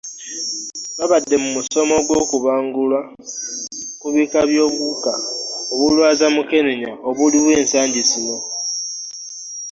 Babadde mu musomo ogw'okubabangula ku bika by'obuwuka obulwaza Mukenenya obuliwo ensangi zino.